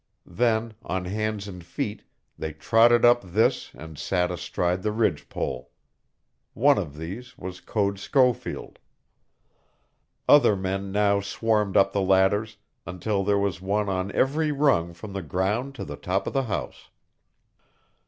Then, on hands and feet, they trotted up this and sat astride the ridge pole. One of these was Code Schofield. Other men now swarmed up the ladders, until there was one on every rung from the ground to the top of the house.